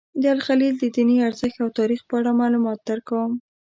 د الخلیل د دیني ارزښت او تاریخ په اړه معلومات درکوم.